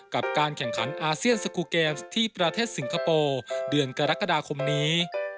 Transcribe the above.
กับการแข่งขันอาเซียนสกูลเกมส์ที่ประเทศสิงคโปร์เดือนกรกฎาคมนี้